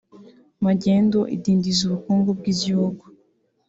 Magendu idindiza ubukungu bw’igihugu